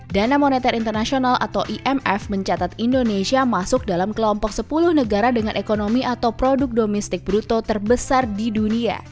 dana moneter internasional atau imf mencatat indonesia masuk dalam kelompok sepuluh negara dengan ekonomi atau produk domestik bruto terbesar di dunia